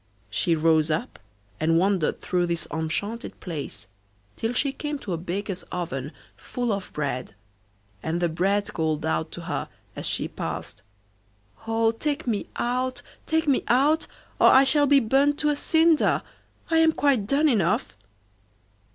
She rose up and wandered through this enchanted place, till she came to a baker's oven full of bread, and the bread called out to her as she passed: 'Oh! take me out, take me out, or I shall be burnt to a cinder. I am quite done enough.